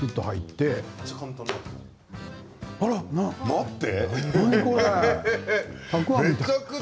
待って！